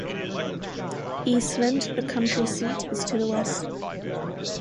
Eastland, the county seat, is to the west.